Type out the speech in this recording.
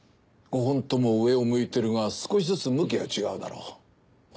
５本とも上を向いているが少しずつ向きが違うだろう？